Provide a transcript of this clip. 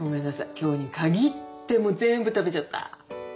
今日に限ってもう全部食べちゃった。